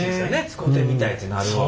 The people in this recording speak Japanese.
使てみたいってなるわ。